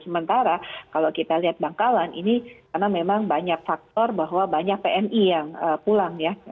sementara kalau kita lihat bangkalan ini karena memang banyak faktor bahwa banyak pmi yang pulang ya